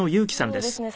そうですね。